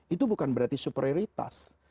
itu bukan berarti superioritas